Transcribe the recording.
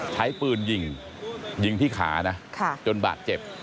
ใช้ปืนยิงยิงที่ขานะจนบาดเจ็บ